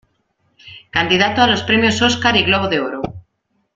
Candidato a los premios Óscar y Globo de Oro.